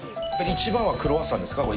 一番はクロワッサンですか？